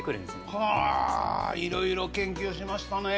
はあいろいろ研究しましたねえ。